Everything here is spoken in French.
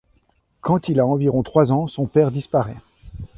Quand il a environ trois ans, son père disparaît.